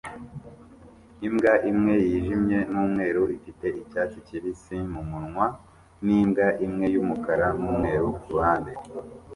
Imbwa imwe yijimye numweru ifite icyatsi kibisi mumunwa nimbwa imwe yumukara numweru kuruhande